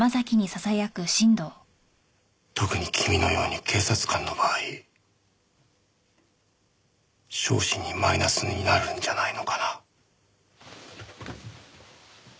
特に君のように警察官の場合昇進にマイナスになるんじゃないのかな。